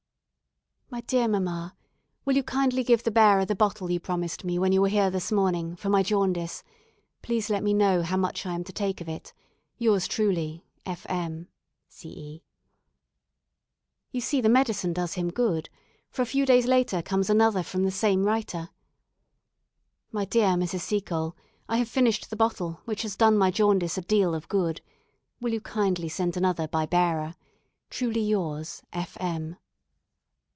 "My dear Mamma, Will you kindly give the bearer the bottle you promised me when you were here this morning, for my jaundice. Please let me know how much I am to take of it. Yours truly, "F. M., C. E." You see the medicine does him good, for a few days later comes another from the same writer: "My dear Mrs. Seacole, I have finished the bottle, which has done my jaundice a deal of good. Will you kindly send another by bearer. Truly yours, "F. M."